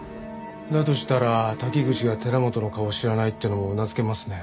だとしたら滝口が寺本の顔を知らないっていうのもうなずけますね。